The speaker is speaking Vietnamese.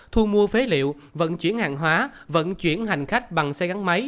thu mua phế liệu vận chuyển hàng hóa vận chuyển hành khách bằng xe gắn máy